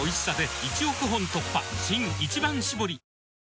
新「一番搾り」男性）